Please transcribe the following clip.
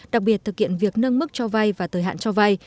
đặc biệt thực hiện việc nâng mức cho vay và thời hạn cho vay